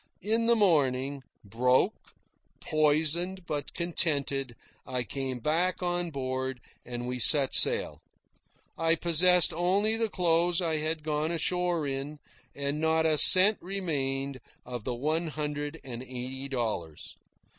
In the morning, broke, poisoned, but contented, I came back on board, and we set sail. I possessed only the clothes I had gone ashore in, and not a cent remained of the one hundred and eighty dollars.